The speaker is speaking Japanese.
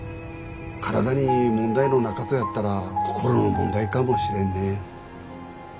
体に問題のなかとやったら心の問題かもしれんね。